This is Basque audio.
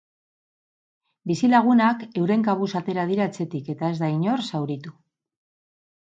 Bizilagunak euren kabuz atera dira etxetik, eta ez da inor zauritu.